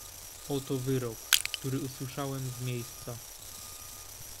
"Oto wyrok, który usłyszałem z miejsca."